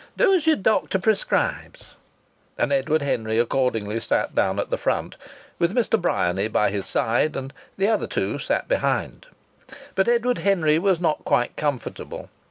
Do as your doctor prescribes." And Edward Henry accordingly sat down at the front, with Mr. Bryany by his side, and the other two sat behind. But Edward Henry was not quite comfortable.